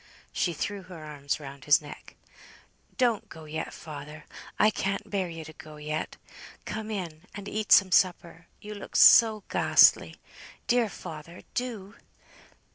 She threw her arms round his neck. "Don't go yet, father; I can't bear you to go yet. Come in, and eat some supper; you look so ghastly; dear father, do!"